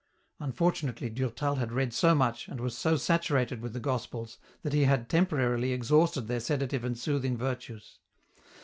Unfortunately, Durtal had read so much, and was so saturated with the Gospels, that he had temporarily ex hausted their sedative and soothing virtues.